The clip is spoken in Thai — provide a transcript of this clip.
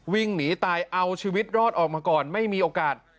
วิ่งหนีตายเอาชีวิตรอดออกมาก่อนไม่มีโอกาส